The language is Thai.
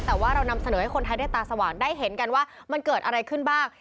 แต่ว่าเรานำเสนอให้คนไทยได้ตาสว่างได้เห็นกันว่ามันเกิดอะไรขึ้นบ้าง